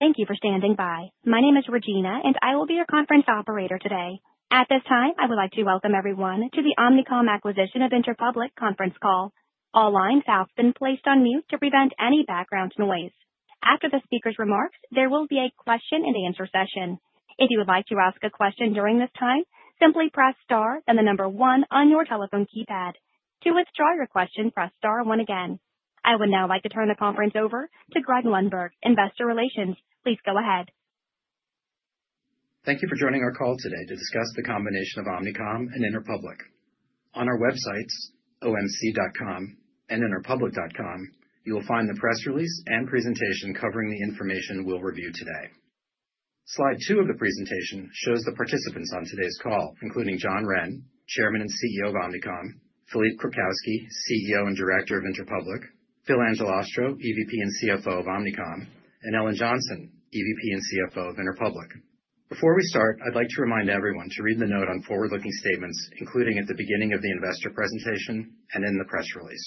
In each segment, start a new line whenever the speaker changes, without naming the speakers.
Thank you for standing by. My name is Regina, and I will be your conference operator today. At this time, I would like to welcome everyone to the Omnicom Acquisition of Interpublic conference call. All lines have been placed on mute to prevent any background noise. After the speaker's remarks, there will be a question-and-answer session. If you would like to ask a question during this time, simply press star, then the number one on your telephone keypad. To withdraw your question, press star one again. I would now like to turn the conference over to Greg Lundberg, Investor Relations. Please go ahead.
Thank you for joining our call today to discuss the combination of Omnicom and Interpublic. On our websites, omnicomgroup.com and interpublic.com, you will find the press release and presentation covering the information we'll review today. Slide two of the presentation shows the participants on today's call, including John Wren, Chairman and CEO of Omnicom, Philippe Krakowsky, CEO and Director of Interpublic, Phil Angelastro, EVP and CFO of Omnicom, and Ellen Johnson, EVP and CFO of Interpublic. Before we start, I'd like to remind everyone to read the note on forward-looking statements, including at the beginning of the investor presentation and in the press release.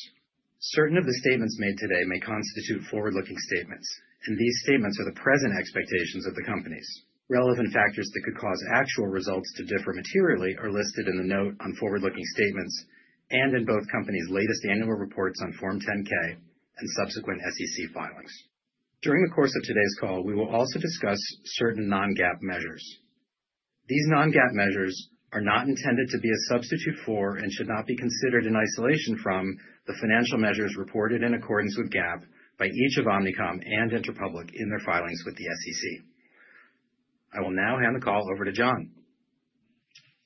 Certain of the statements made today may constitute forward-looking statements, and these statements are the present expectations of the companies. Relevant factors that could cause actual results to differ materially are listed in the note on forward-looking statements and in both companies' latest annual reports on Form 10-K and subsequent SEC filings. During the course of today's call, we will also discuss certain non-GAAP measures. These non-GAAP measures are not intended to be a substitute for and should not be considered in isolation from the financial measures reported in accordance with GAAP by each of Omnicom and Interpublic in their filings with the SEC. I will now hand the call over to John.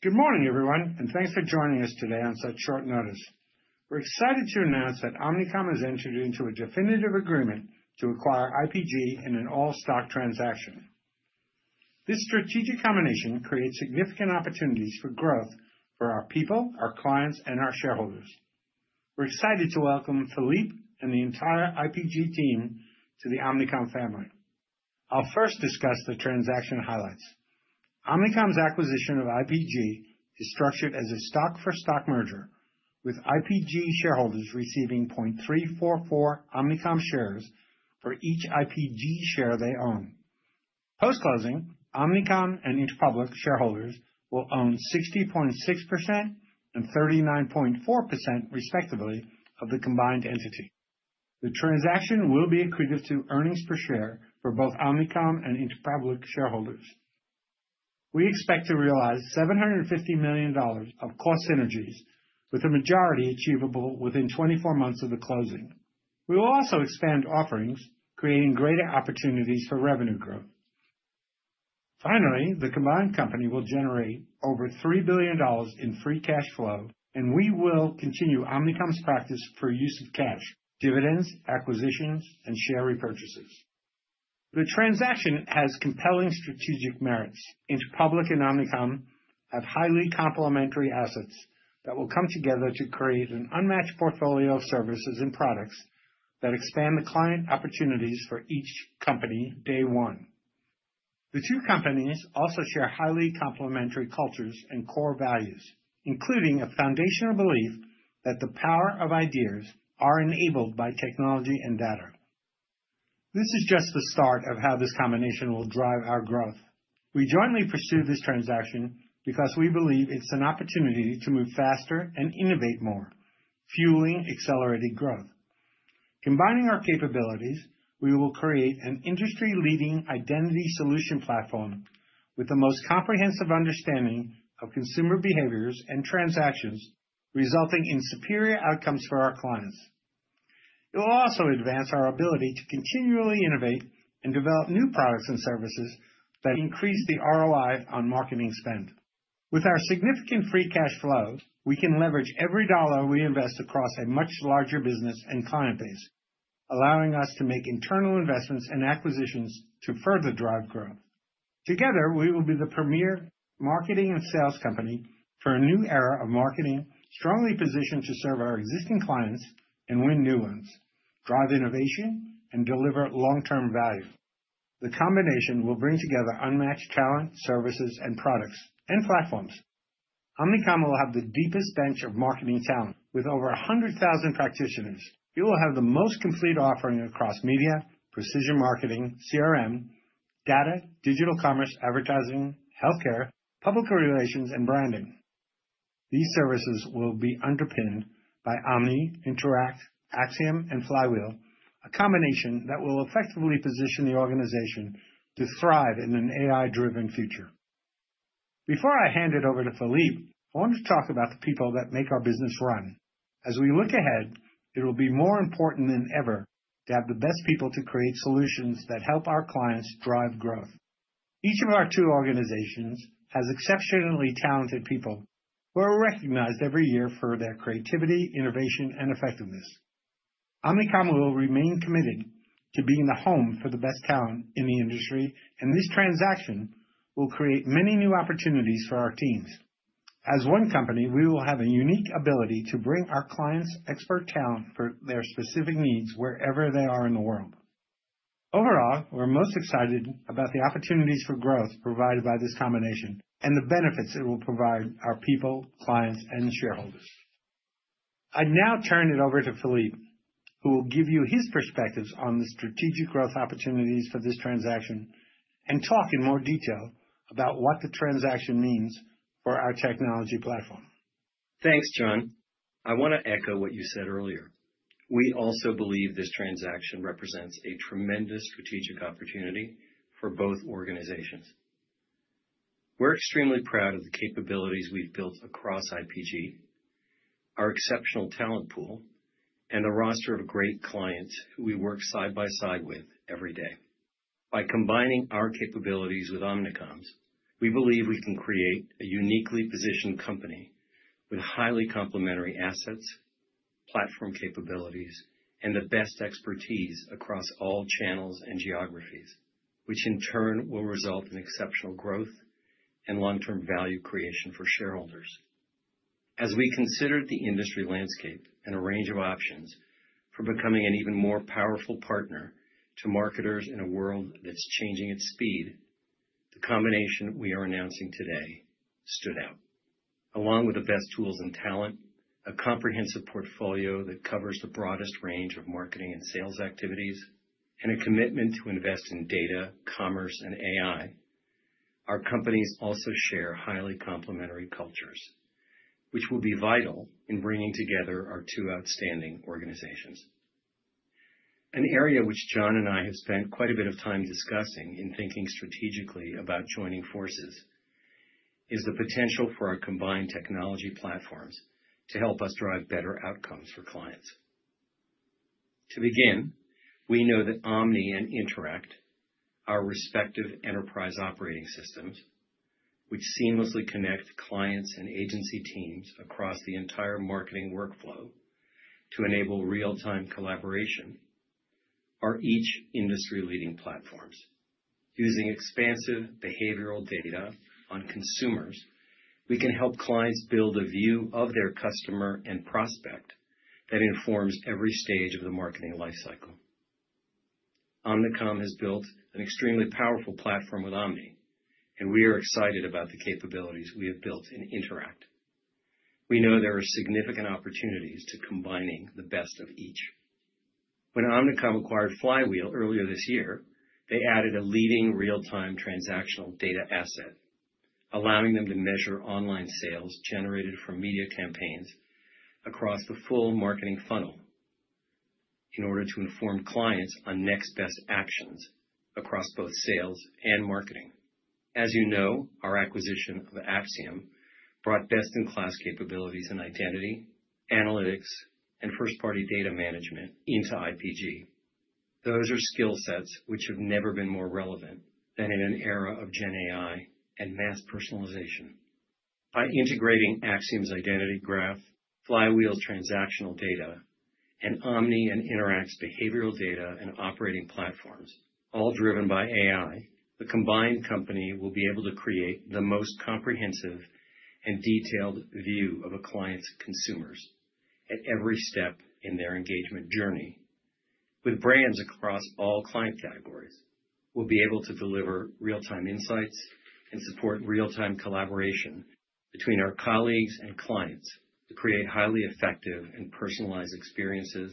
Good morning, everyone, and thanks for joining us today on such short notice. We're excited to announce that Omnicom has entered into a definitive agreement to acquire IPG in an all-stock transaction. This strategic combination creates significant opportunities for growth for our people, our clients, and our shareholders. We're excited to welcome Philippe and the entire IPG team to the Omnicom family. I'll first discuss the transaction highlights. Omnicom's acquisition of IPG is structured as a stock-for-stock merger, with IPG shareholders receiving 0.344 Omnicom shares for each IPG share they own. Post-closing, Omnicom and Interpublic shareholders will own 60.6% and 39.4%, respectively, of the combined entity. The transaction will be accretive to earnings per share for both Omnicom and Interpublic shareholders. We expect to realize $750 million of cost synergies, with a majority achievable within 24 months of the closing. We will also expand offerings, creating greater opportunities for revenue growth. Finally, the combined company will generate over $3 billion in free cash flow, and we will continue Omnicom's practice for use of cash, dividends, acquisitions, and share repurchases. The transaction has compelling strategic merits. Interpublic and Omnicom have highly complementary assets that will come together to create an unmatched portfolio of services and products that expand the client opportunities for each company day one. The two companies also share highly complementary cultures and core values, including a foundational belief that the power of ideas is enabled by technology and data. This is just the start of how this combination will drive our growth. We jointly pursue this transaction because we believe it's an opportunity to move faster and innovate more, fueling accelerated growth. Combining our capabilities, we will create an industry-leading identity solution platform with the most comprehensive understanding of consumer behaviors and transactions, resulting in superior outcomes for our clients. It will also advance our ability to continually innovate and develop new products and services that increase the ROI on marketing spend. With our significant free cash flow, we can leverage every dollar we invest across a much larger business and client base, allowing us to make internal investments and acquisitions to further drive growth. Together, we will be the premier marketing and sales company for a new era of marketing, strongly positioned to serve our existing clients and win new ones, drive innovation, and deliver long-term value. The combination will bring together unmatched talent, services, products, and platforms. Omnicom will have the deepest bench of marketing talent with over 100,000 practitioners. It will have the most complete offering across media, precision marketing, CRM, data, digital commerce, advertising, healthcare, public relations, and branding. These services will be underpinned by Omni, Interact, Acxiom, and Flywheel, a combination that will effectively position the organization to thrive in an AI-driven future. Before I hand it over to Philippe, I want to talk about the people that make our business run. As we look ahead, it will be more important than ever to have the best people to create solutions that help our clients drive growth. Each of our two organizations has exceptionally talented people who are recognized every year for their creativity, innovation, and effectiveness. Omnicom will remain committed to being the home for the best talent in the industry, and this transaction will create many new opportunities for our teams. As one company, we will have a unique ability to bring our clients' expert talent for their specific needs wherever they are in the world. Overall, we're most excited about the opportunities for growth provided by this combination and the benefits it will provide our people, clients, and shareholders. I'd now turn it over to Philippe, who will give you his perspectives on the strategic growth opportunities for this transaction and talk in more detail about what the transaction means for our technology platform.
Thanks, John. I want to echo what you said earlier. We also believe this transaction represents a tremendous strategic opportunity for both organizations. We're extremely proud of the capabilities we've built across IPG, our exceptional talent pool, and the roster of great clients who we work side by side with every day. By combining our capabilities with Omnicom's, we believe we can create a uniquely positioned company with highly complementary assets, platform capabilities, and the best expertise across all channels and geographies, which in turn will result in exceptional growth and long-term value creation for shareholders. As we considered the industry landscape and a range of options for becoming an even more powerful partner to marketers in a world that's changing at speed, the combination we are announcing today stood out. Along with the best tools and talent, a comprehensive portfolio that covers the broadest range of marketing and sales activities, and a commitment to invest in data, commerce, and AI, our companies also share highly complementary cultures, which will be vital in bringing together our two outstanding organizations. An area which John and I have spent quite a bit of time discussing in thinking strategically about joining forces is the potential for our combined technology platforms to help us drive better outcomes for clients. To begin, we know that Omni and Interact, our respective enterprise operating systems, which seamlessly connect clients and agency teams across the entire marketing workflow to enable real-time collaboration, are each industry-leading platforms. Using expansive behavioral data on consumers, we can help clients build a view of their customer and prospect that informs every stage of the marketing life cycle. Omnicom has built an extremely powerful platform with Omni, and we are excited about the capabilities we have built in Interact. We know there are significant opportunities to combining the best of each. When Omnicom acquired Flywheel earlier this year, they added a leading real-time transactional data asset, allowing them to measure online sales generated from media campaigns across the full marketing funnel in order to inform clients on next best actions across both sales and marketing. As you know, our acquisition of Acxiom brought best-in-class capabilities in identity, analytics, and first-party data management into IPG. Those are skill sets which have never been more relevant than in an era of GenAI and mass personalization. By integrating Acxiom's identity graph, Flywheel's transactional data, and Omni and Interact's behavioral data and operating platforms, all driven by AI, the combined company will be able to create the most comprehensive and detailed view of a client's consumers at every step in their engagement journey. With brands across all client categories, we'll be able to deliver real-time insights and support real-time collaboration between our colleagues and clients to create highly effective and personalized experiences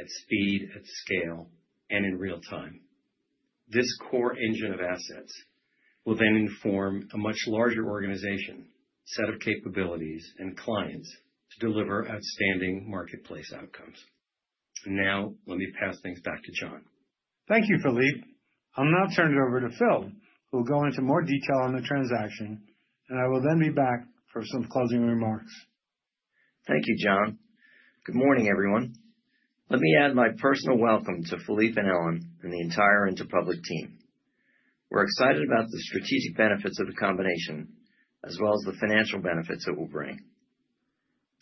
at speed, at scale, and in real time. This core engine of assets will then inform a much larger organization, set of capabilities, and clients to deliver outstanding marketplace outcomes, and now let me pass things back to John.
Thank you, Philippe. I'll now turn it over to Phil, who will go into more detail on the transaction, and I will then be back for some closing remarks.
Thank you, John. Good morning, everyone. Let me add my personal welcome to Philippe and Ellen and the entire Interpublic team. We're excited about the strategic benefits of the combination, as well as the financial benefits it will bring.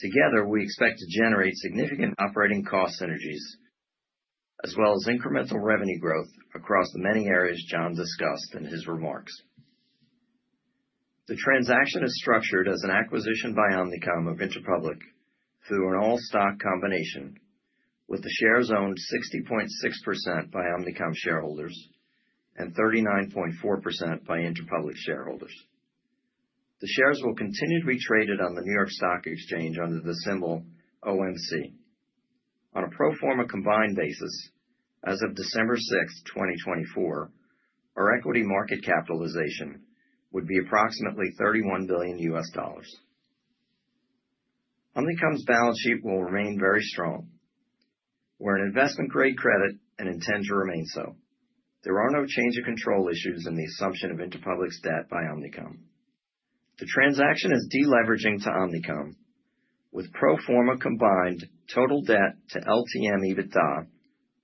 Together, we expect to generate significant operating cost synergies, as well as incremental revenue growth across the many areas John discussed in his remarks. The transaction is structured as an acquisition by Omnicom of Interpublic through an all-stock combination, with the shares owned 60.6% by Omnicom shareholders and 39.4% by Interpublic shareholders. The shares will continue to be traded on the New York Stock Exchange under the symbol OMC. On a pro forma combined basis, as of December 6th, 2024, our equity market capitalization would be approximately $31 billion. Omnicom's balance sheet will remain very strong. We're an investment-grade credit and intend to remain so. There are no change of control issues in the assumption of Interpublic's debt by Omnicom. The transaction is deleveraging to Omnicom, with pro forma combined total debt to LTM EBITDA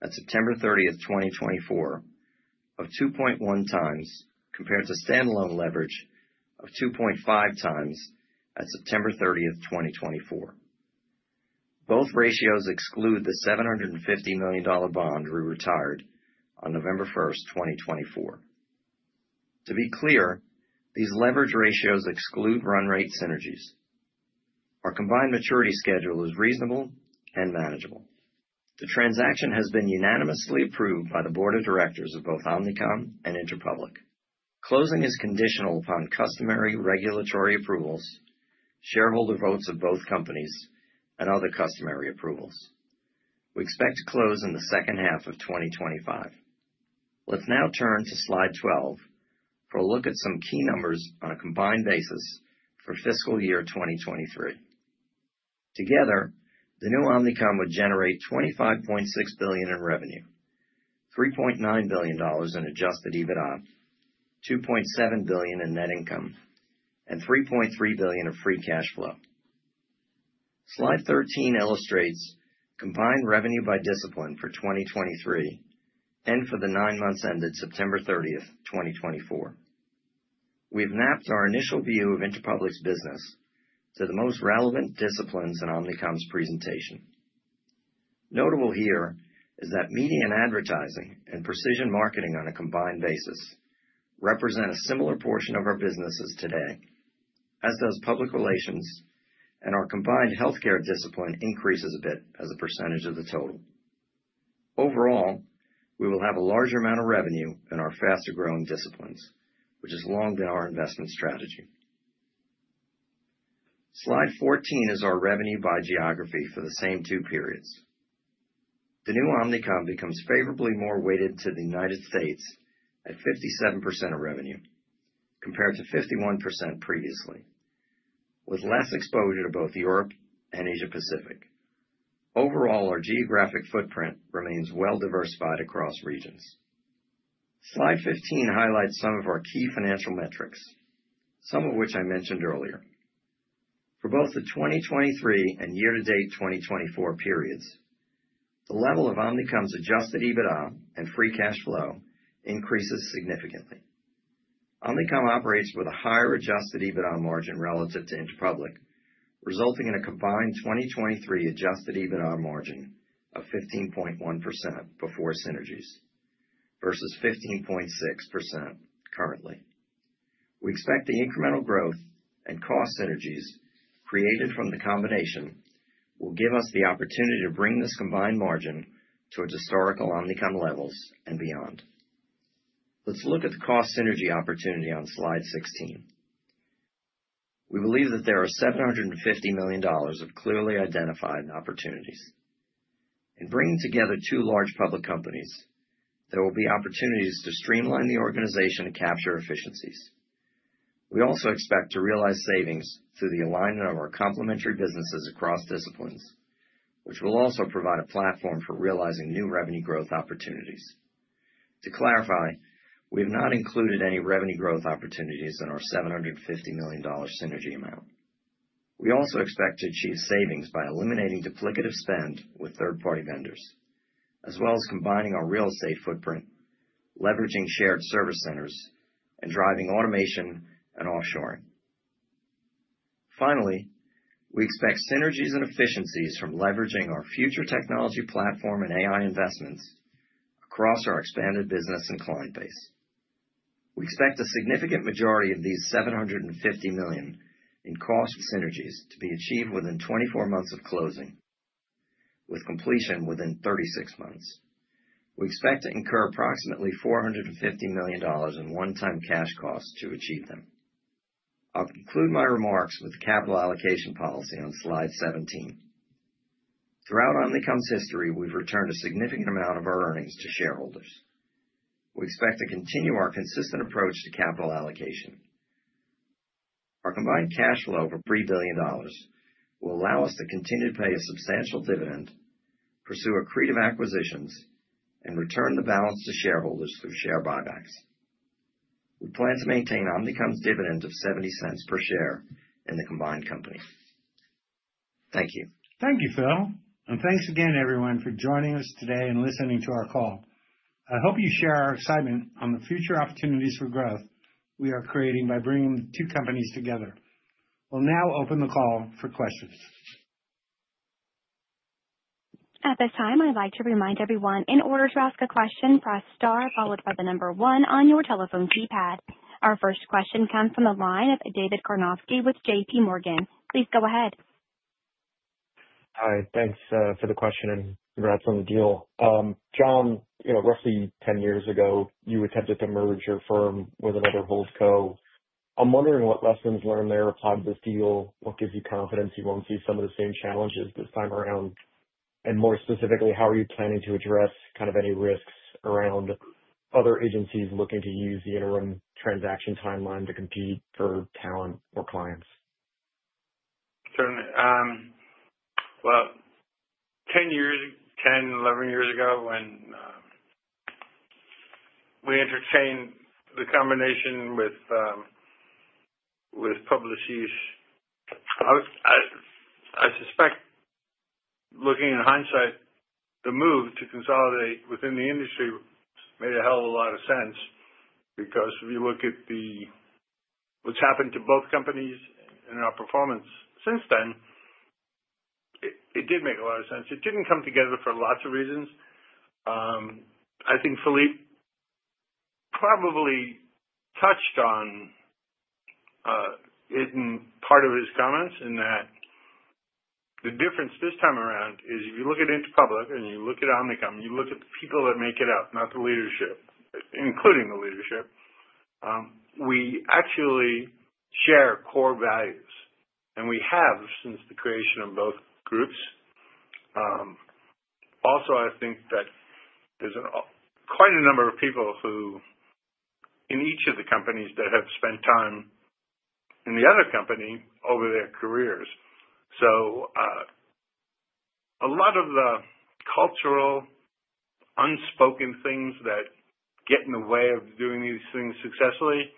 at September 30th, 2024, of 2.1x compared to standalone leverage of 2.5x at September 30th, 2024. Both ratios exclude the $750 million bond we retired on November 1st, 2024. To be clear, these leverage ratios exclude run rate synergies. Our combined maturity schedule is reasonable and manageable. The transaction has been unanimously approved by the board of directors of both Omnicom and Interpublic. Closing is conditional upon customary regulatory approvals, shareholder votes of both companies, and other customary approvals. We expect to close in the second half of 2025. Let's now turn to slide 12 for a look at some key numbers on a combined basis for fiscal year 2023. Together, the new Omnicom would generate $25.6 billion in revenue, $3.9 billion in adjusted EBITDA, $2.7 billion in net income, and $3.3 billion of free cash flow. Slide 13 illustrates combined revenue by discipline for 2023 and for the nine months ended September 30th, 2024. We've mapped our initial view of Interpublic's business to the most relevant disciplines in Omnicom's presentation. Notable here is that media and advertising and precision marketing on a combined basis represent a similar portion of our businesses today, as does public relations, and our combined healthcare discipline increases a bit as a percentage of the total. Overall, we will have a larger amount of revenue in our faster-growing disciplines, which has long been our investment strategy. Slide 14 is our revenue by geography for the same two periods. The new Omnicom becomes favorably more weighted to the United States at 57% of revenue compared to 51% previously, with less exposure to both Europe and Asia-Pacific. Overall, our geographic footprint remains well-diversified across regions. Slide 15 highlights some of our key financial metrics, some of which I mentioned earlier. For both the 2023 and year-to-date 2024 periods, the level of Omnicom's Adjusted EBITDA and free cash flow increases significantly. Omnicom operates with a higher adjusted EBITDA margin relative to Interpublic, resulting in a combined 2023 adjusted EBITDA margin of 15.1% before synergies versus 15.6% currently. We expect the incremental growth and cost synergies created from the combination will give us the opportunity to bring this combined margin to its historical Omnicom levels and beyond. Let's look at the cost synergy opportunity on slide 16. We believe that there are $750 million of clearly identified opportunities. In bringing together two large public companies, there will be opportunities to streamline the organization and capture efficiencies. We also expect to realize savings through the alignment of our complementary businesses across disciplines, which will also provide a platform for realizing new revenue growth opportunities. To clarify, we have not included any revenue growth opportunities in our $750 million synergy amount. We also expect to achieve savings by eliminating duplicative spend with third-party vendors, as well as combining our real estate footprint, leveraging shared service centers, and driving automation and offshoring. Finally, we expect synergies and efficiencies from leveraging our future technology platform and AI investments across our expanded business and client base. We expect a significant majority of these $750 million in cost synergies to be achieved within 24 months of closing, with completion within 36 months. We expect to incur approximately $450 million in one-time cash costs to achieve them. I'll conclude my remarks with the capital allocation policy on slide 17. Throughout Omnicom's history, we've returned a significant amount of our earnings to shareholders. We expect to continue our consistent approach to capital allocation. Our combined cash flow of $3 billion will allow us to continue to pay a substantial dividend, pursue accretive acquisitions, and return the balance to shareholders through share buybacks. We plan to maintain Omnicom's dividend of $0.70 per share in the combined company. Thank you.
Thank you, Phil. And thanks again, everyone, for joining us today and listening to our call. I hope you share our excitement on the future opportunities for growth we are creating by bringing the two companies together. We'll now open the call for questions.
At this time, I'd like to remind everyone, in order to ask a question, press star followed by the number one on your telephone keypad. Our first question comes from the line of David Karnofsky with JPMorgan. Please go ahead.
Hi. Thanks for the question and congrats on the deal. John, roughly 10 years ago, you attempted to merge your firm with another hold co. I'm wondering what lessons learned there applied to this deal. What gives you confidence you won't see some of the same challenges this time around? And more specifically, how are you planning to address kind of any risks around other agencies looking to use the interim transaction timeline to compete for talent or clients?
10, 11 years ago, when we entertained the combination with Publicis, I suspect, looking in hindsight, the move to consolidate within the industry made a hell of a lot of sense because if you look at what's happened to both companies and our performance since then, it did make a lot of sense. It didn't come together for lots of reasons. I think Philippe probably touched on it in part of his comments in that the difference this time around is if you look at Interpublic and you look at Omnicom, you look at the people that make it work, not the leadership, including the leadership, we actually share core values. We have since the creation of both groups. Also, I think that there's quite a number of people in each of the companies that have spent time in the other company over their careers. So a lot of the cultural unspoken things that get in the way of doing these things successfully.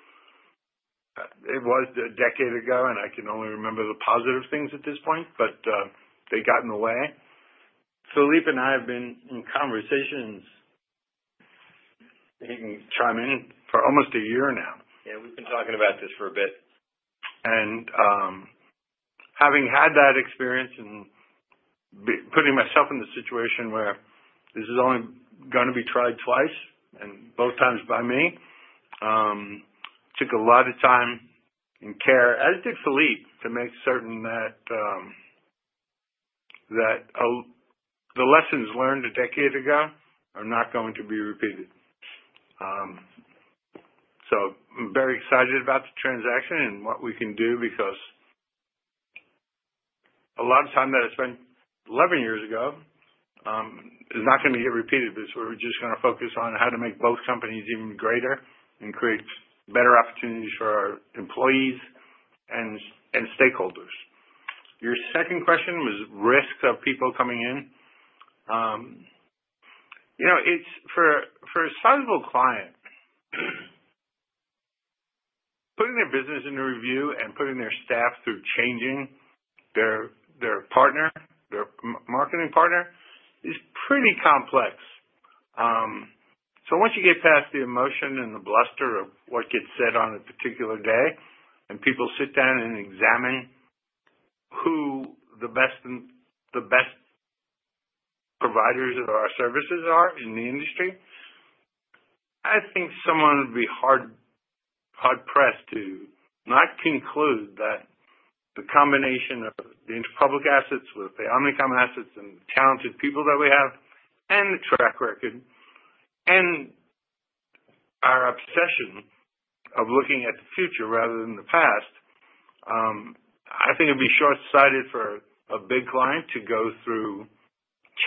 It was a decade ago, and I can only remember the positive things at this point, but they got in the way. Philippe and I have been in conversations, and you can chime in, for almost a year now.
Yeah, we've been talking about this for a bit.
Having had that experience and putting myself in the situation where this is only going to be tried twice and both times by me, it took a lot of time and care, as did Philippe, to make certain that the lessons learned a decade ago are not going to be repeated. I'm very excited about the transaction and what we can do because a lot of time that I spent 11 years ago is not going to get repeated. We're just going to focus on how to make both companies even greater and create better opportunities for our employees and stakeholders. Your second question was risks of people coming in. For a sizable client, putting their business into review and putting their staff through changing their marketing partner is pretty complex. So once you get past the emotion and the bluster of what gets said on a particular day and people sit down and examine who the best providers of our services are in the industry, I think someone would be hard-pressed to not conclude that the combination of the Interpublic assets with the Omnicom assets and the talented people that we have and the track record and our obsession of looking at the future rather than the past. I think it would be short-sighted for a big client to go through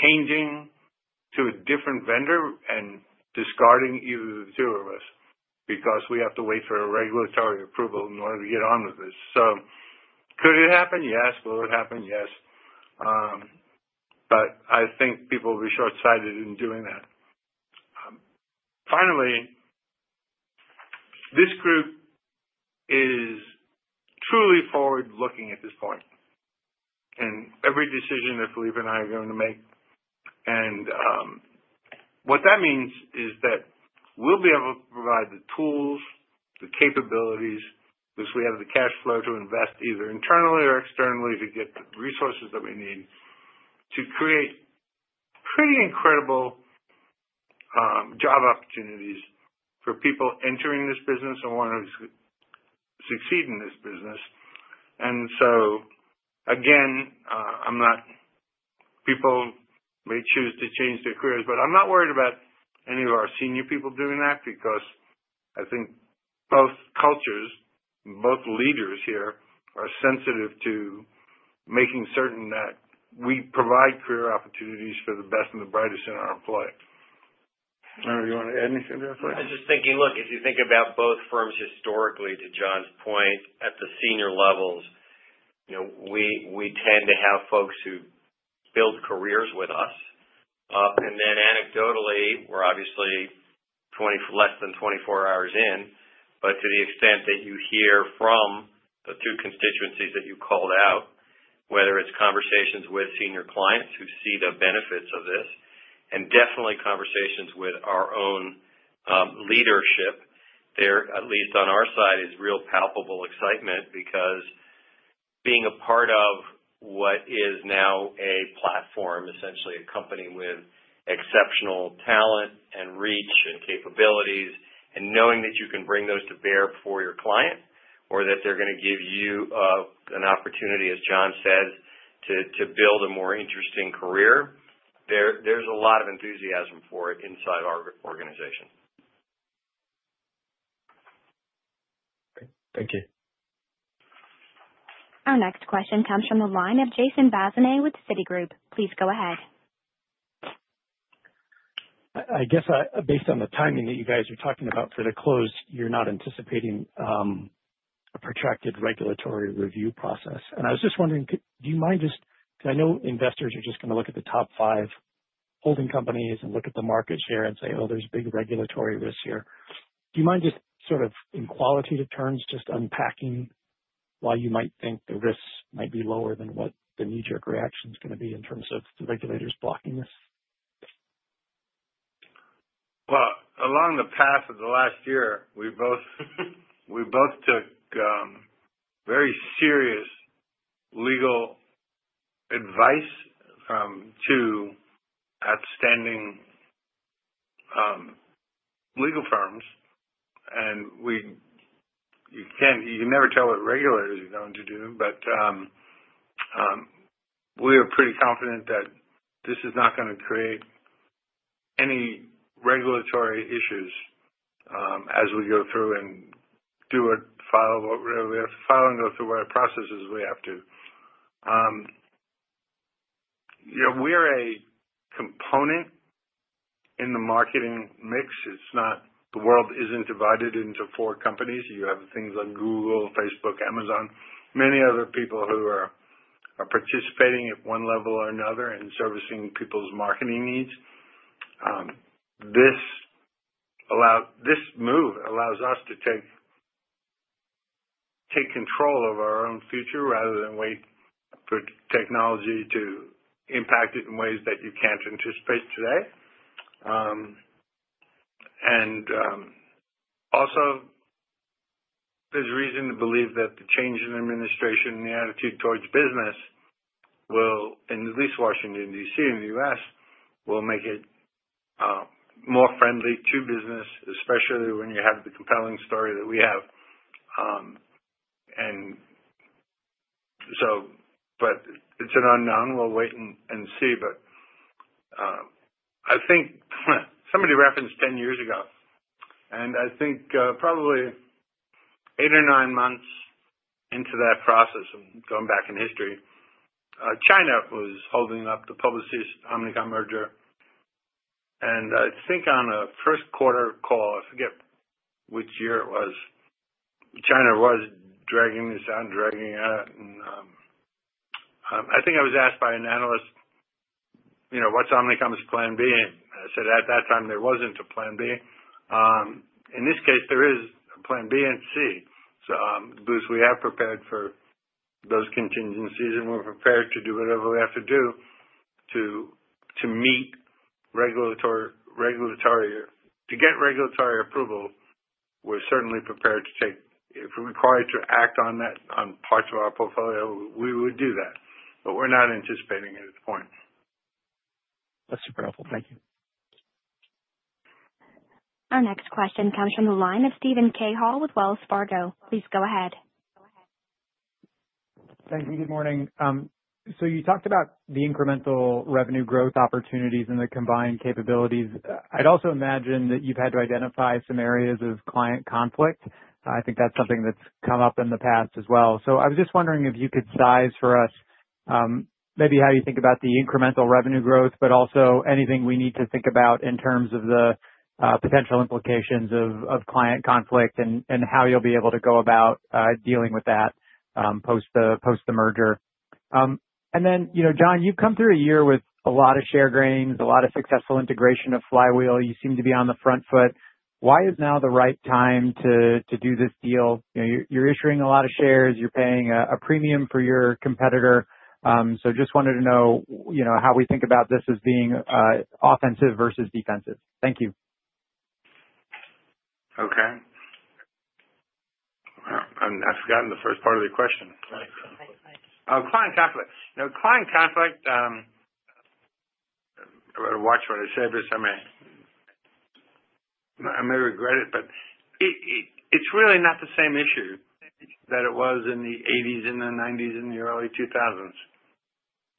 changing to a different vendor and discarding either of the two of us because we have to wait for a regulatory approval in order to get on with this. So could it happen? Yes. Will it happen? Yes. But I think people will be short-sighted in doing that. Finally, this group is truly forward-looking at this point. And every decision that Philippe and I are going to make, and what that means is that we'll be able to provide the tools, the capabilities, because we have the cash flow to invest either internally or externally to get the resources that we need to create pretty incredible job opportunities for people entering this business and wanting to succeed in this business. And so again, people may choose to change their careers, but I'm not worried about any of our senior people doing that because I think both cultures and both leaders here are sensitive to making certain that we provide career opportunities for the best and the brightest in our employees. Or do you want to add anything there, Philippe?
I was just thinking, look, if you think about both firms historically, to John's point, at the senior levels, we tend to have folks who build careers with us and then anecdotally, we're obviously less than 24 hours in, but to the extent that you hear from the two constituencies that you called out, whether it's conversations with senior clients who see the benefits of this and definitely conversations with our own leadership, there, at least on our side, is real palpable excitement because being a part of what is now a platform, essentially a company with exceptional talent and reach and capabilities and knowing that you can bring those to bear for your client or that they're going to give you an opportunity, as John says, to build a more interesting career, there's a lot of enthusiasm for it inside our organization.
Thank you.
Our next question comes from the line of Jason Bazinet with Citigroup. Please go ahead.
I guess based on the timing that you guys are talking about for the close, you're not anticipating a protracted regulatory review process, and I was just wondering, do you mind just, because I know investors are just going to look at the top five holding companies and look at the market share and say, "Oh, there's big regulatory risks here." Do you mind just sort of in qualitative terms just unpacking why you might think the risks might be lower than what the knee-jerk reaction is going to be in terms of the regulators blocking this?
Along the path of the last year, we both took very serious legal advice to outstanding legal firms. You can never tell what regulators are going to do, but we are pretty confident that this is not going to create any regulatory issues as we go through and do the filing of what we have to file and go through our processes we have to. We're a component in the marketing mix. The world isn't divided into four companies. You have things like Google, Facebook, Amazon, many other people who are participating at one level or another and servicing people's marketing needs. This move allows us to take control of our own future rather than wait for technology to impact it in ways that you can't anticipate today. And also, there's reason to believe that the change in administration and the attitude towards business, at least Washington, D.C., in the U.S., will make it more friendly to business, especially when you have the compelling story that we have. But it's an unknown. We'll wait and see. But I think somebody referenced 10 years ago. And I think probably eight or nine months into that process, I'm going back in history, China was holding up the Publicis-Omnicom merger. And I think on a first-quarter call, I forget which year it was, China was dragging this out and dragging it out. And I think I was asked by an analyst, "What's Omnicom's plan B?" And I said, "At that time, there wasn't a plan B." In this case, there is a plan B and C. So we have prepared for those contingencies, and we're prepared to do whatever we have to do to get regulatory approval. We're certainly prepared to take if we're required to act on parts of our portfolio, we would do that. But we're not anticipating it at this point.
That's super helpful. Thank you.
Our next question comes from the line of Steven Cahall with Wells Fargo. Please go ahead.
Thank you. Good morning. So you talked about the incremental revenue growth opportunities and the combined capabilities. I'd also imagine that you've had to identify some areas of client conflict. I think that's something that's come up in the past as well. So I was just wondering if you could size for us maybe how you think about the incremental revenue growth, but also anything we need to think about in terms of the potential implications of client conflict and how you'll be able to go about dealing with that post the merger. And then, John, you've come through a year with a lot of share gains, a lot of successful integration of Flywheel. You seem to be on the front foot. Why is now the right time to do this deal? You're issuing a lot of shares. You're paying a premium for your competitor. So just wanted to know how we think about this as being offensive versus defensive? Thank you.
Okay. I've forgotten the first part of the question. Client conflict. I'm going to watch what I say, but I may regret it, but it's really not the same issue that it was in the '80s and the '90s and the early 2000s.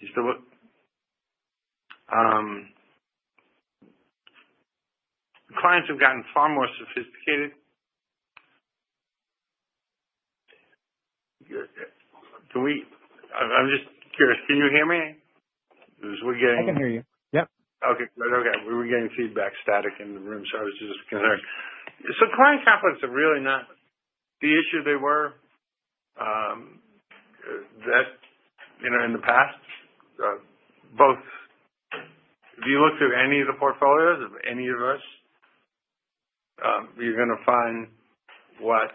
Clients have gotten far more sophisticated. I'm just curious. Can you hear me? Because we're getting.
I can hear you. Yep.
Okay. Good. Okay. We were getting feedback static in the room, so I was just concerned. So client conflicts are really not the issue they were in the past. If you look through any of the portfolios of any of us, you're going to find what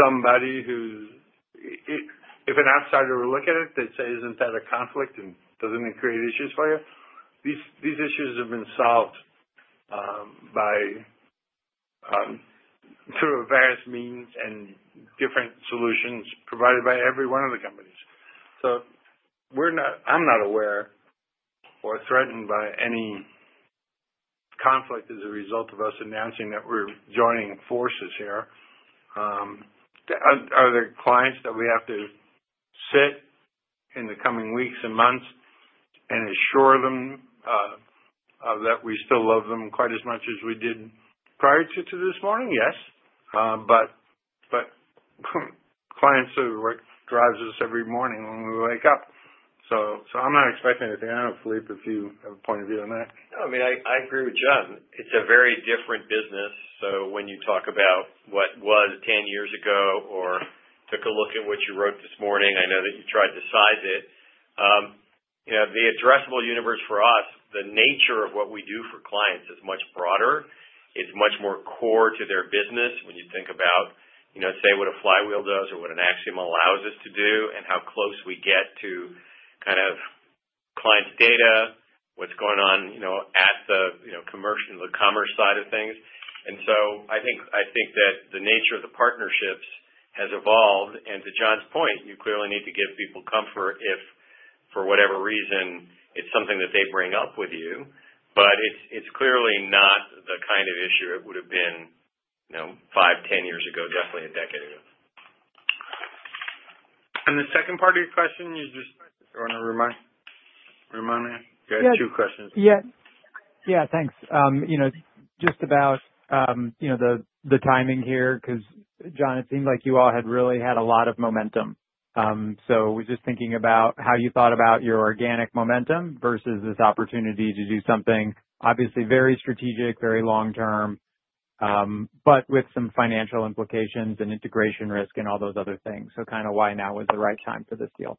somebody who's—if an outsider would look at it, they'd say, "Isn't that a conflict? And doesn't it create issues for you?" These issues have been solved through various means and different solutions provided by every one of the companies. So I'm not aware or threatened by any conflict as a result of us announcing that we're joining forces here. Are there clients that we have to sit in the coming weeks and months and assure them that we still love them quite as much as we did prior to this morning? Yes. But clients are what drives us every morning when we wake up. So, I'm not expecting anything. I don't know, Philippe, if you have a point of view on that.
I mean, I agree with John. It's a very different business. So when you talk about what was 10 years ago or took a look at what you wrote this morning, I know that you tried to size it. The addressable universe for us, the nature of what we do for clients is much broader. It's much more core to their business when you think about, say, what a Flywheel does or what an Acxiom allows us to do and how close we get to kind of client's data, what's going on at the commerce side of things. And so I think that the nature of the partnerships has evolved. To John's point, you clearly need to give people comfort if, for whatever reason, it's something that they bring up with you. But it's clearly not the kind of issue it would have been five, 10 years ago, definitely a decade ago.
And the second part of your question is just, do you want to remind me? I've got two questions.
Yeah. Yeah. Thanks. Just about the timing here because, John, it seemed like you all had really a lot of momentum. So we're just thinking about how you thought about your organic momentum versus this opportunity to do something obviously very strategic, very long-term, but with some financial implications and integration risk and all those other things. So kind of why now was the right time for this deal?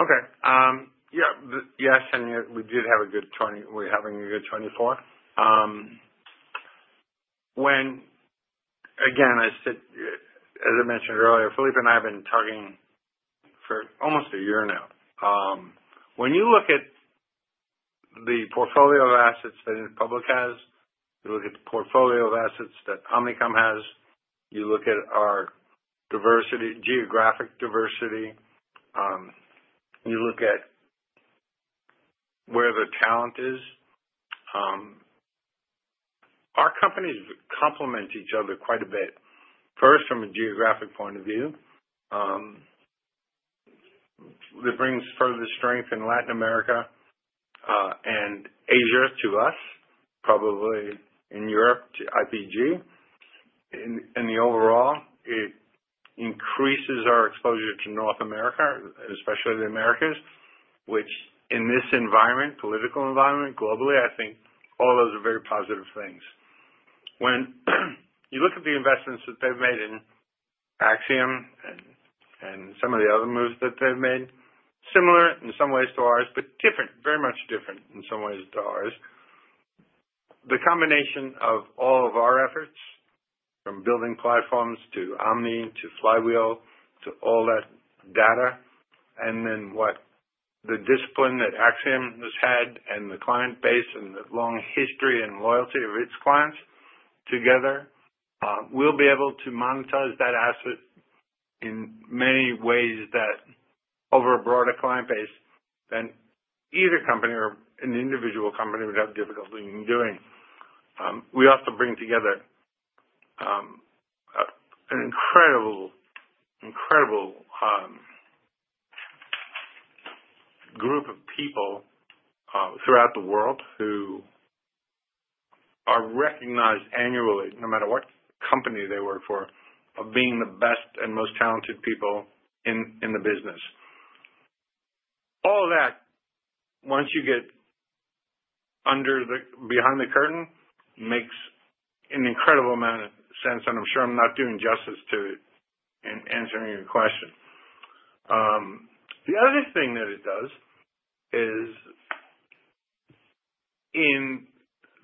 Okay. Yeah. Yes. We're having a good 2024. Again, as I mentioned earlier, Philippe and I have been talking for almost a year now. When you look at the portfolio of assets that Interpublic has, you look at the portfolio of assets that Omnicom has, you look at our geographic diversity, you look at where the talent is. Our companies complement each other quite a bit, first from a geographic point of view. It brings further strength in Latin America and Asia to us, probably in Europe to IPG. And overall, it increases our exposure to North America, especially the Americas, which in this environment, political environment, globally, I think all those are very positive things. When you look at the investments that they've made in Acxiom and some of the other moves that they've made, similar in some ways to ours, but different, very much different in some ways to ours. The combination of all of our efforts from building platforms to Omni to Flywheel to all that data, and then the discipline that Acxiom has had and the client base and the long history and loyalty of its clients together, we'll be able to monetize that asset in many ways that over a broader client base than either company or an individual company would have difficulty in doing. We also bring together an incredible group of people throughout the world who are recognized annually, no matter what company they work for, of being the best and most talented people in the business. All of that, once you get behind the curtain, makes an incredible amount of sense, and I'm sure I'm not doing justice to it in answering your question. The other thing that it does is, in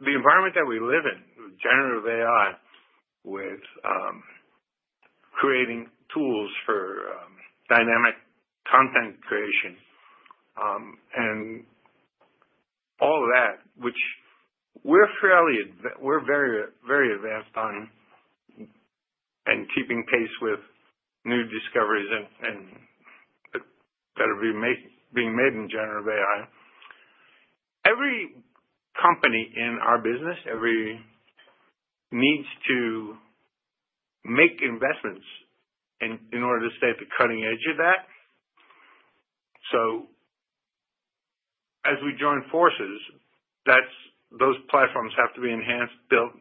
the environment that we live in with Generative AI, with creating tools for dynamic content creation and all of that, which we're very advanced on and keeping pace with new discoveries that are being made in Generative AI, every company in our business needs to make investments in order to stay at the cutting edge of that, so as we join forces, those platforms have to be enhanced, built,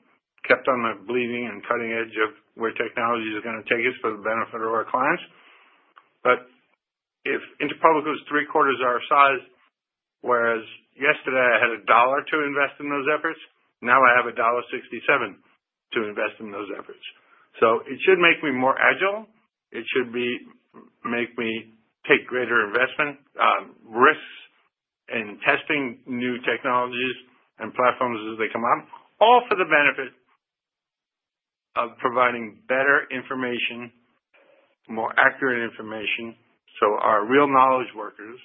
kept on the bleeding and cutting edge of where technology is going to take us for the benefit of our clients. But if Interpublic was three-quarters our size, whereas yesterday I had a dollar to invest in those efforts, now I have a dollar 67 to invest in those efforts. So it should make me more agile. It should make me take greater investment risks in testing new technologies and platforms as they come up, all for the benefit of providing better information, more accurate information. So our real knowledge workers,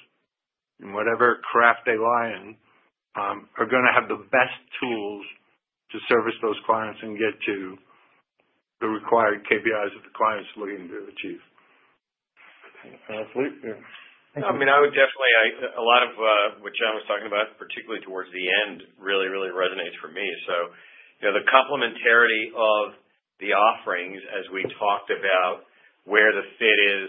in whatever craft they lie in, are going to have the best tools to service those clients and get to the required KPIs that the client is looking to achieve.
Thank you.
I mean, I would definitely, a lot of what John was talking about, particularly towards the end, really, really resonates for me. So the complementarity of the offerings as we talked about where the fit is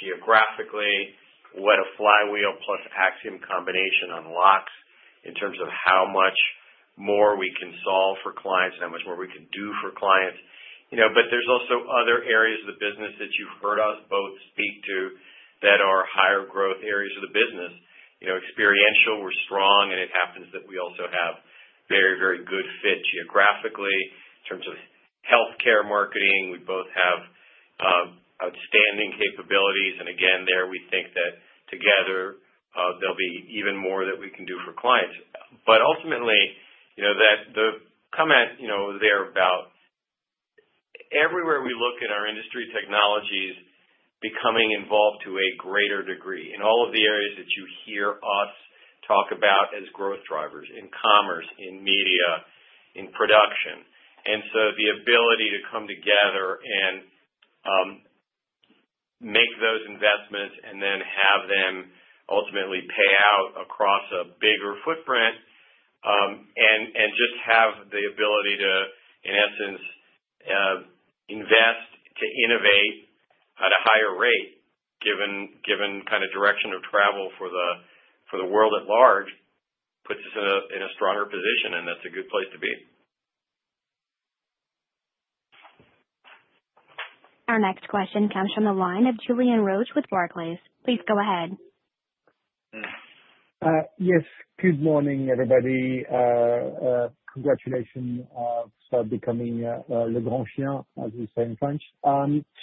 geographically, what a Flywheel plus Acxiom combination unlocks in terms of how much more we can solve for clients and how much more we can do for clients. But there's also other areas of the business that you've heard us both speak to that are higher growth areas of the business. Experiential, we're strong, and it happens that we also have very, very good fit geographically in terms of healthcare marketing. We both have outstanding capabilities. And again, there we think that together, there'll be even more that we can do for clients. But ultimately, the comment there about everywhere we look at our industry technologies becoming involved to a greater degree in all of the areas that you hear us talk about as growth drivers in commerce, in media, in production. And so the ability to come together and make those investments and then have them ultimately pay out across a bigger footprint and just have the ability to, in essence, invest to innovate at a higher rate, given kind of direction of travel for the world at large, puts us in a stronger position. And that's a good place to be.
Our next question comes from the line of Julien Roch with Barclays. Please go ahead.
Yes. Good morning, everybody. Congratulations for becoming Le Grand Chien, as we say in French.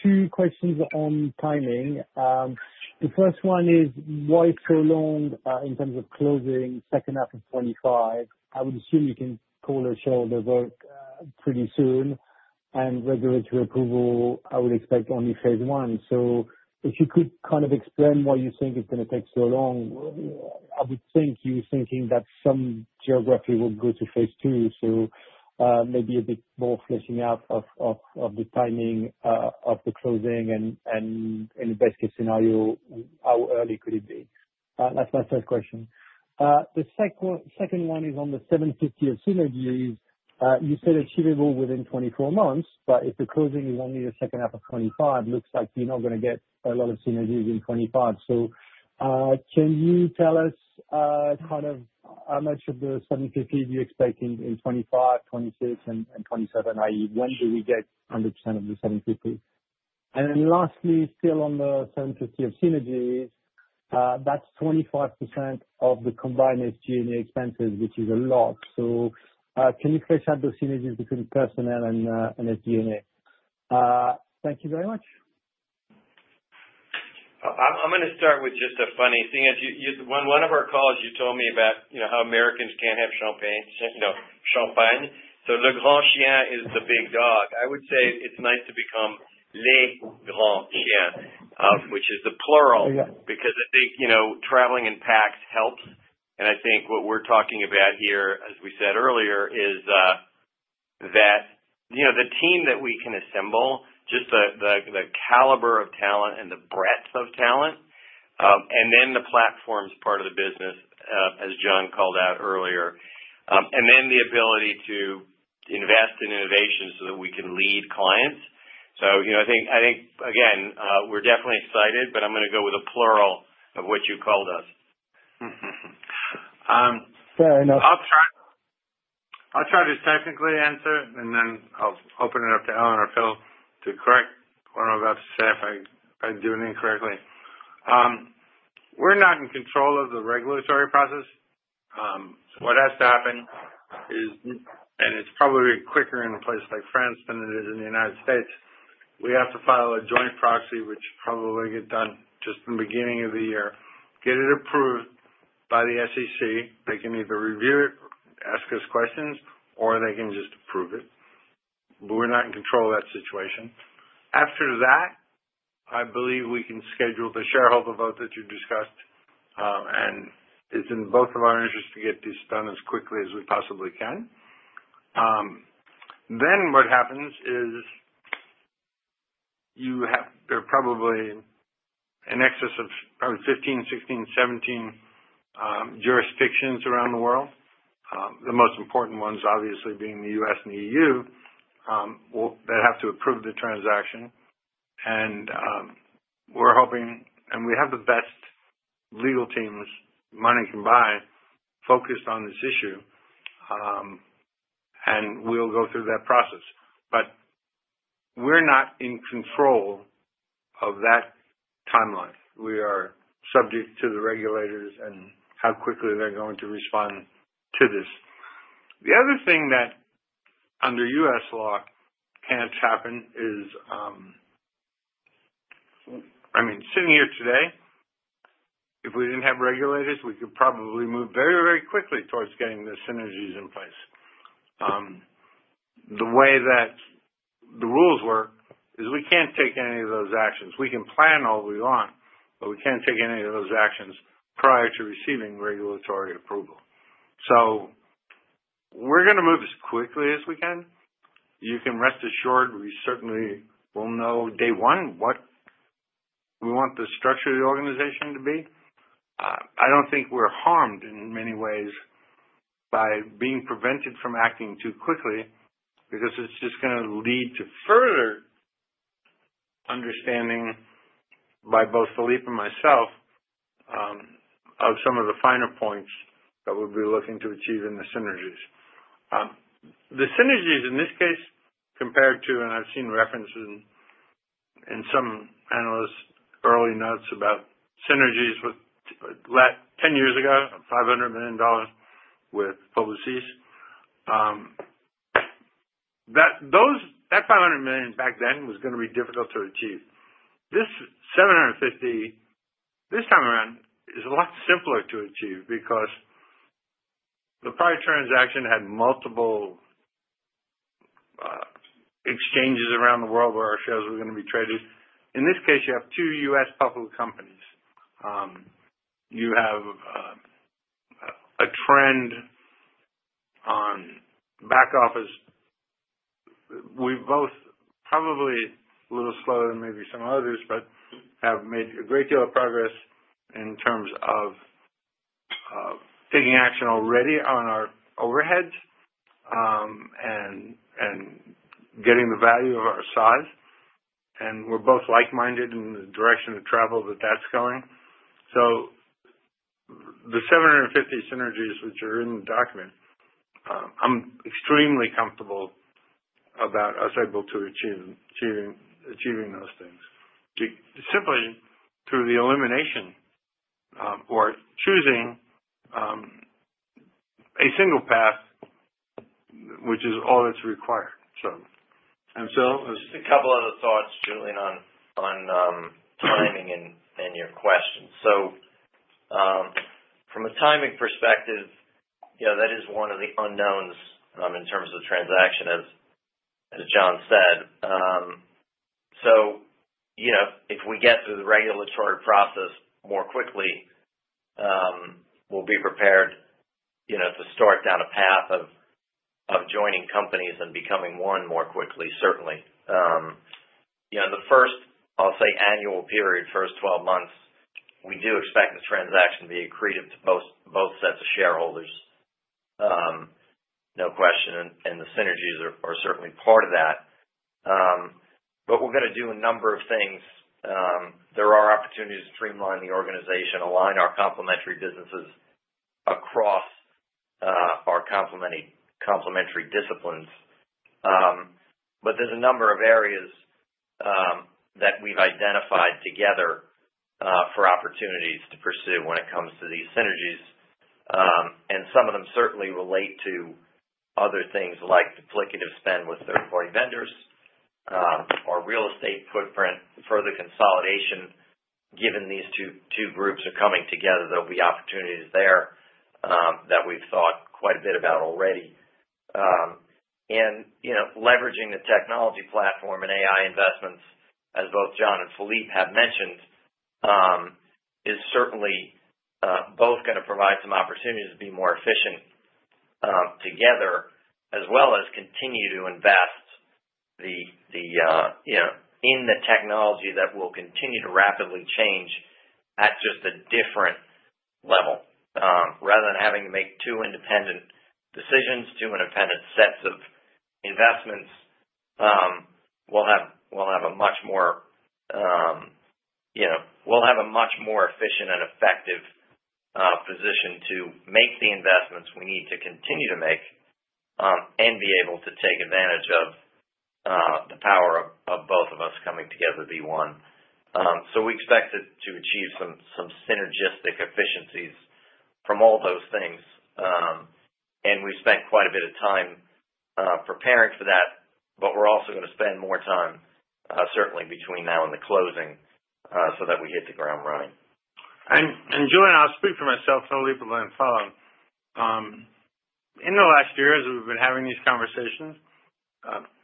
Two questions on timing. The first one is, why so long in terms of closing second half of 2025? I would assume you can call a shell of the work pretty soon, and regulatory approval, I would expect only phase one. So if you could kind of explain why you think it's going to take so long, I would think you're thinking that some geography will go to phase two. So maybe a bit more fleshing out of the timing of the closing and, in the best case scenario, how early could it be? That's my first question. The second one is on the $750 million of synergies. You said achievable within 24 months, but if the closing is only the second half of 2025, it looks like you're not going to get a lot of synergies in 2025, so can you tell us kind of how much of the 750 do you expect in 2025, 2026, and 2027? I mean, when do we get 100% of the 750? And then lastly, still on the 750 of synergies, that's 25% of the combined SG&A expenses, which is a lot, so can you flesh out the synergies between personnel and SG&A? Thank you very much.
I'm going to start with just a funny thing. When one of our calls, you told me about how Americans can't have champagne. So Le Grand Chien is the big dog. I would say it's nice to become Le Grand Chien, which is the plural, because I think traveling in packs helps, and I think what we're talking about here, as we said earlier, is that the team that we can assemble, just the caliber of talent and the breadth of talent, and then the platforms part of the business, as John called out earlier, and then the ability to invest in innovation so that we can lead clients, so I think, again, we're definitely excited, but I'm going to go with a plural of what you called us.
Fair enough.
I'll try to technically answer, and then I'll open it up to Ellen or Phil to correct what I'm about to say if I do it incorrectly. We're not in control of the regulatory process. What has to happen is, and it's probably quicker in a place like France than it is in the United States, we have to file a joint proxy, which probably will get done just in the beginning of the year, get it approved by the SEC. They can either review it, ask us questions, or they can just approve it. We're not in control of that situation. After that, I believe we can schedule the shareholder vote that you discussed, and it's in both of our interests to get this done as quickly as we possibly can. What happens is there are probably in excess of probably 15, 16, 17 jurisdictions around the world, the most important ones obviously being the U.S. and the E.U., that have to approve the transaction. We're hoping, and we have the best legal teams money can buy focused on this issue, and we'll go through that process. We're not in control of that timeline. We are subject to the regulators and how quickly they're going to respond to this. The other thing that under U.S. law can't happen is, I mean, sitting here today, if we didn't have regulators, we could probably move very, very quickly towards getting the synergies in place. The way that the rules work is we can't take any of those actions. We can plan all we want, but we can't take any of those actions prior to receiving regulatory approval. So we're going to move as quickly as we can. You can rest assured we certainly will know day one what we want the structure of the organization to be. I don't think we're harmed in many ways by being prevented from acting too quickly because it's just going to lead to further understanding by both Philippe and myself of some of the finer points that we'll be looking to achieve in the synergies. The synergies in this case compared to, and I've seen references in some analysts' early notes about synergies 10 years ago, $500 million with Publicis, that 500 million back then was going to be difficult to achieve. This 750, this time around, is a lot simpler to achieve because the prior transaction had multiple exchanges around the world where our shares were going to be traded. In this case, you have two U.S. public companies. You have a trend on back office. We've both probably a little slower than maybe some others, but have made a great deal of progress in terms of taking action already on our overheads and getting the value of our size, and we're both like-minded in the direction of travel that that's going, so the 750 synergies which are in the document. I'm extremely comfortable about us able to achieve those things simply through the elimination or choosing a single path, which is all that's required, so.
Just a couple of thoughts, Julien, on timing and your question, so from a timing perspective, that is one of the unknowns in terms of transaction, as John said, so if we get through the regulatory process more quickly, we'll be prepared to start down a path of joining companies and becoming one more quickly, certainly. The first, I'll say, annual period, first 12 months, we do expect the transaction to be accretive to both sets of shareholders, no question, and the synergies are certainly part of that, but we're going to do a number of things. There are opportunities to streamline the organization, align our complementary businesses across our complementary disciplines, but there's a number of areas that we've identified together for opportunities to pursue when it comes to these synergies. Some of them certainly relate to other things like duplicative spend with third-party vendors or real estate footprint for the consolidation. Given these two groups are coming together, there'll be opportunities there that we've thought quite a bit about already. Leveraging the technology platform and AI investments, as both John and Philippe have mentioned, is certainly both going to provide some opportunities to be more efficient together, as well as continue to invest in the technology that will continue to rapidly change at just a different level. Rather than having to make two independent decisions, two independent sets of investments, we'll have a much more efficient and effective position to make the investments we need to continue to make and be able to take advantage of the power of both of us coming together to be one. So we expect to achieve some synergistic efficiencies from all those things. And we've spent quite a bit of time preparing for that, but we're also going to spend more time, certainly between now and the closing, so that we hit the ground running.
Julien, I'll speak for myself, and Philippe will then follow. In the last year as we've been having these conversations,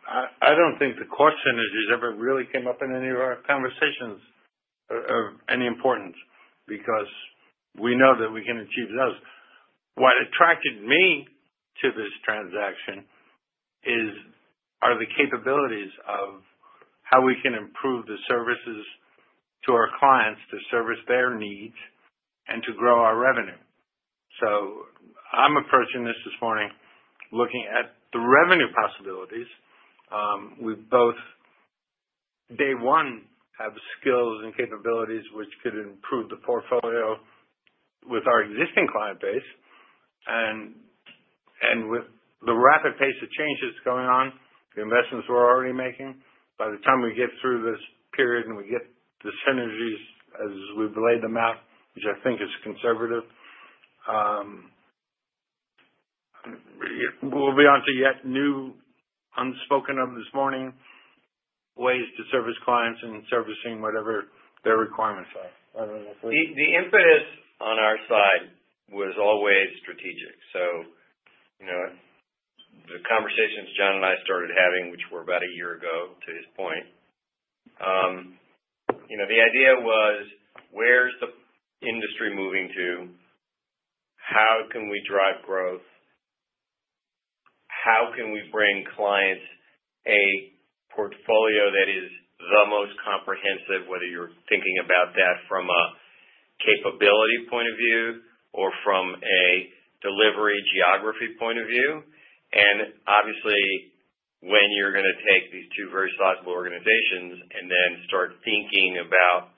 I don't think the question has ever really come up in any of our conversations of any importance because we know that we can achieve those. What attracted me to this transaction are the capabilities of how we can improve the services to our clients to service their needs and to grow our revenue. So I'm approaching this morning looking at the revenue possibilities. We both, day one, have skills and capabilities which could improve the portfolio with our existing client base. With the rapid pace of changes going on, the investments we're already making, by the time we get through this period and we get the synergies as we've laid them out, which I think is conservative, we'll be onto yet new unspoken of this morning ways to service clients and servicing whatever their requirements are. I don't know if we're.
The impetus on our side was always strategic so the conversations John and I started having, which were about a year ago to this point, the idea was, where's the industry moving to? How can we drive growth? How can we bring clients a portfolio that is the most comprehensive, whether you're thinking about that from a capability point of view or from a delivery geography point of view? And obviously, when you're going to take these two very sizable organizations and then start thinking about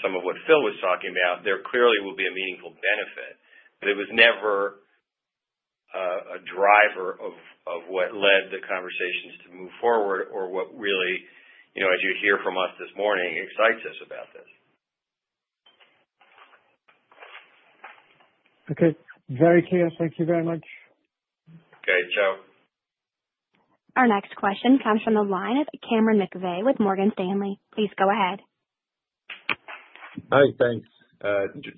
some of what Phil was talking about, there clearly will be a meaningful benefit but it was never a driver of what led the conversations to move forward or what really, as you hear from us this morning, excites us about this.
Okay. Very clear. Thank you very much.
Okay. Ciao.
Our next question comes from the line of Cameron McVeigh with Morgan Stanley. Please go ahead.
Hi. Thanks.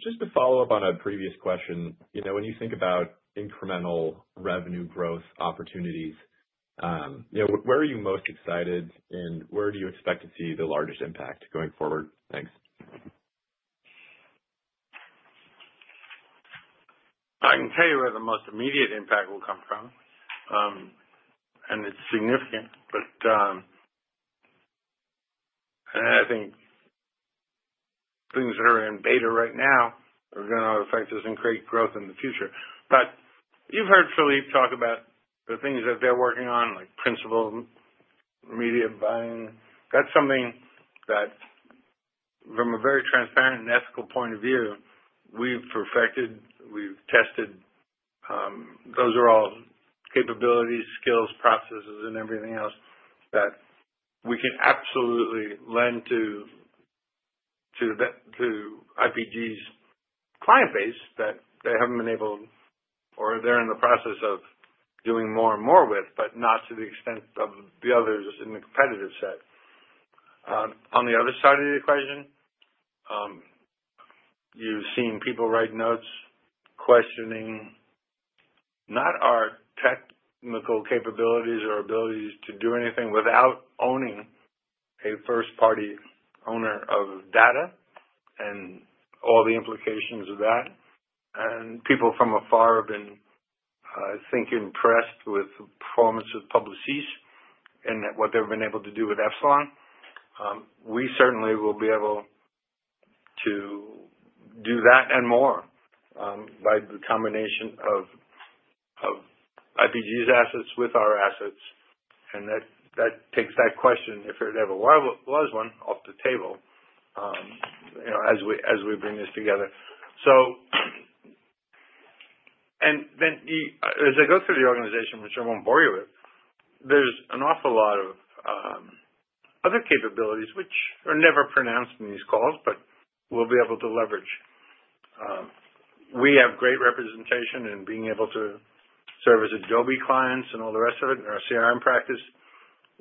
Just to follow up on a previous question, when you think about incremental revenue growth opportunities, where are you most excited and where do you expect to see the largest impact going forward? Thanks.
I can tell you where the most immediate impact will come from, and it's significant. But I think things that are in beta right now are going to affect us and create growth in the future. But you've heard Philippe talk about the things that they're working on, like principal media buying. That's something that, from a very transparent and ethical point of view, we've perfected, we've tested. Those are all capabilities, skills, processes, and everything else that we can absolutely lend to IPG's client base that they haven't been able, or they're in the process of doing more and more with, but not to the extent of the others in the competitive set. On the other side of the equation, you've seen people write notes questioning not our technical capabilities or abilities to do anything without owning a first-party owner of data and all the implications of that. People from afar have been impressed with the performance of Publicis and what they've been able to do with Epsilon. We certainly will be able to do that and more by the combination of IPG's assets with our assets. And that takes that question, if it ever was one, off the table as we bring this together. And then as I go through the organization, which I won't bore you with, there's an awful lot of other capabilities which are never mentioned in these calls, but we'll be able to leverage. We have great representation in being able to service Adobe clients and all the rest of it in our CRM practice.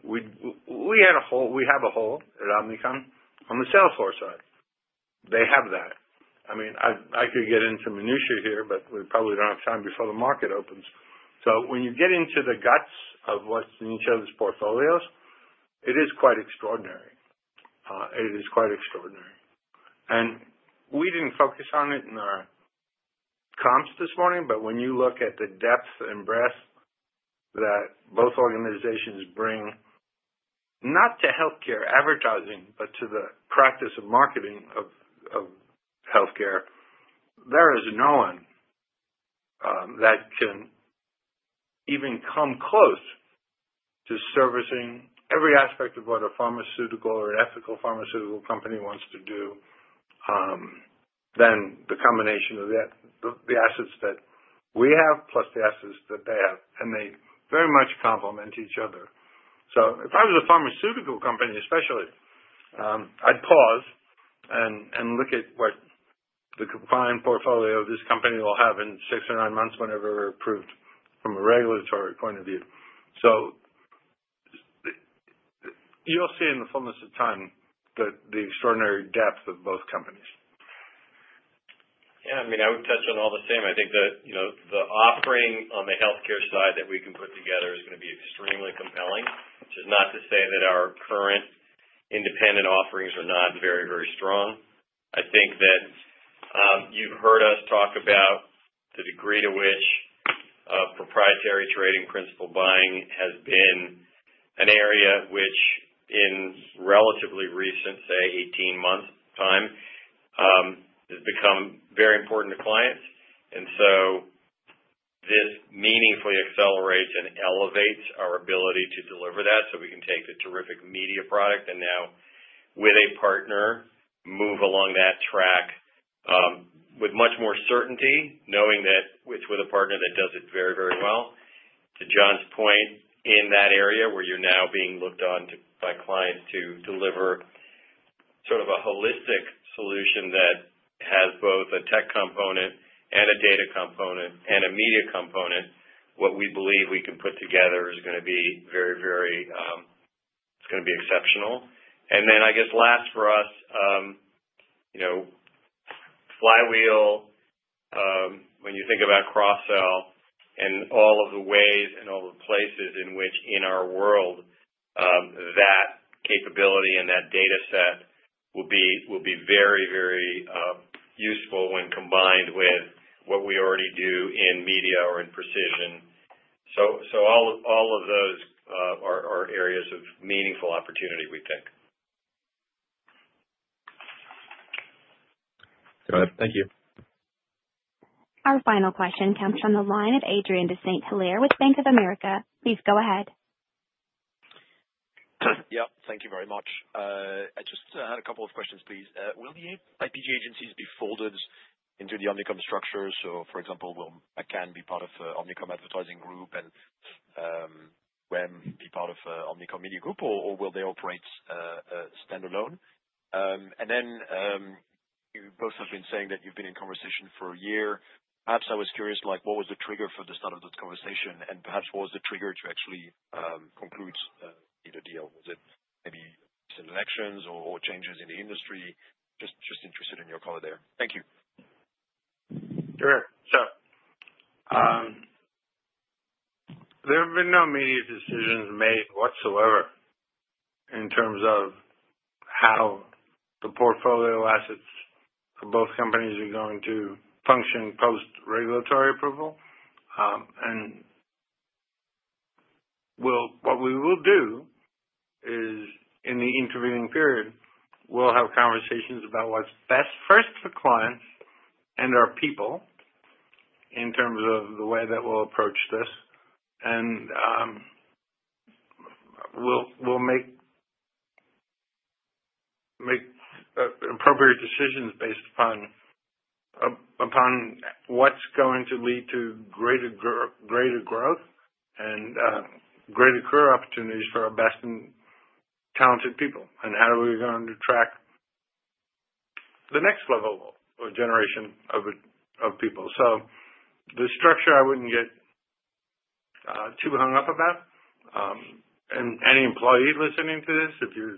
We have a hole at Omnicom on the Salesforce side. They have that. I mean, I could get into minutiae here, but we probably don't have time before the market opens. So when you get into the guts of what's in each other's portfolios, it is quite extraordinary. It is quite extraordinary. And we didn't focus on it in our comps this morning, but when you look at the depth and breadth that both organizations bring, not to healthcare advertising, but to the practice of marketing of healthcare, there is no one that can even come close to servicing every aspect of what a pharmaceutical or an ethical pharmaceutical company wants to do than the combination of the assets that we have plus the assets that they have. And they very much complement each other. So if I was a pharmaceutical company, especially, I'd pause and look at what the combined portfolio of this company will have in six or nine months whenever we're approved from a regulatory point of view. So you'll see in the fullness of time the extraordinary depth of both companies.
Yeah. I mean, I would touch on all the same. I think that the offering on the healthcare side that we can put together is going to be extremely compelling. This is not to say that our current independent offerings are not very, very strong. I think that you've heard us talk about the degree to which proprietary trading principal buying has been an area which, in relatively recent, say, 18 months' time, has become very important to clients. And so this meaningfully accelerates and elevates our ability to deliver that so we can take the terrific media product and now, with a partner, move along that track with much more certainty, knowing that it's with a partner that does it very, very well. To John's point, in that area where you're now being looked on by clients to deliver sort of a holistic solution that has both a tech component and a data component and a media component, what we believe we can put together is going to be very, very, it's going to be exceptional. And then I guess last for us, Flywheel, when you think about cross-sell, and all of the ways and all the places in which, in our world, that capability and that data set will be very, very useful when combined with what we already do in media or in precision. So all of those are areas of meaningful opportunity, we think.
Thank you.
Our final question comes from the line of Adrien de Saint Hilaire with Bank of America. Please go ahead.
Yep. Thank you very much. I just had a couple of questions, please. Will the IPG agencies be folded into the Omnicom structure? So, for example, will McCann be part of the Omnicom Advertising Group, and UM be part of the Omnicom Media Group, or will they operate standalone, and then you both have been saying that you've been in conversation for a year. Perhaps I was curious, what was the trigger for the start of this conversation, and perhaps what was the trigger to actually conclude a deal? Was it maybe recent elections or changes in the industry? Just interested in your color there. Thank you.
Sure. So there have been no media decisions made whatsoever in terms of how the portfolio assets of both companies are going to function post-regulatory approval. And what we will do is, in the intervening period, we'll have conversations about what's best first for clients and our people in terms of the way that we'll approach this. And we'll make appropriate decisions based upon what's going to lead to greater growth and greater career opportunities for our best and talented people, and how are we going to attract the next level or generation of people. So the structure I wouldn't get too hung up about. And any employee listening to this, if you're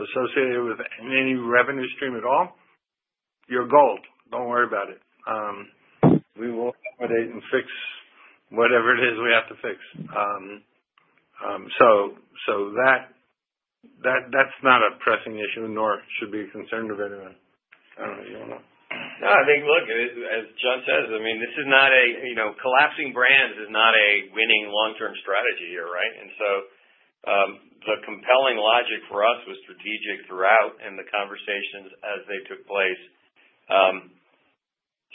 associated with any revenue stream at all, you're gold. Don't worry about it. We will accommodate and fix whatever it is we have to fix. So that's not a pressing issue, nor should we be concerned of anyone. I don't know.
No. I think, look, as John says, I mean, this is not a collapsing brand. Is not a winning long-term strategy here, right? And so the compelling logic for us was strategic throughout, and the conversations as they took place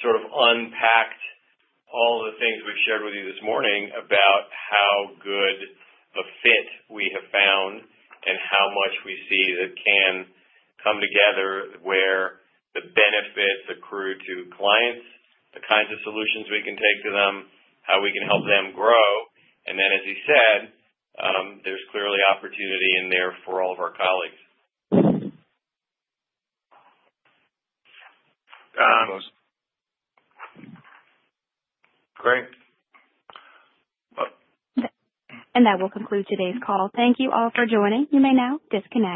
sort of unpacked all the things we've shared with you this morning about how good a fit we have found and how much we see that can come together where the benefits accrue to clients, the kinds of solutions we can take to them, how we can help them grow. And then, as he said, there's clearly opportunity in there for all of our colleagues.
Great.
That will conclude today's call. Thank you all for joining. You may now disconnect.